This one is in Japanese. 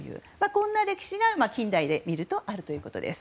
こんな歴史が近代で見るとあるんです。